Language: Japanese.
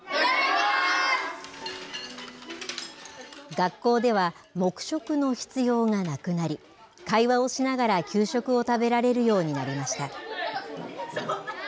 学校では黙食の必要がなくなり会話をしながら給食を食べられるようになりました。